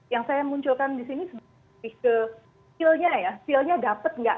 yang saya munculkan di sini lebih ke skill nya ya skill nya dapat nggak